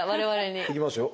いきますよ